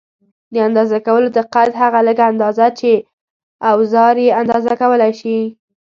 د اندازه کولو دقت: هغه لږه اندازه چې اوزار یې اندازه کولای شي.